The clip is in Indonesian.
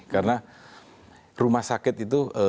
karena rumah sakit itu